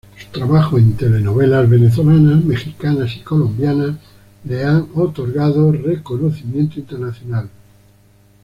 Su trabajo en telenovelas venezolanas, mexicanas y colombianas le han otorgado reconocimiento internacional.